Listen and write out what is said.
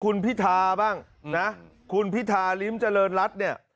คุณพิธาบ้างนะคุณพิธาริมเจริญรัฐเนี่ย